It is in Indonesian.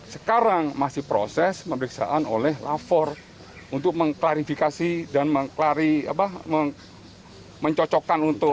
sekarang masih proses pemeriksaan oleh lafor untuk mengklarifikasi dan mencocokkan untuk